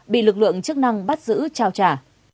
bị lực lượng chức năng bắt giữ trao trả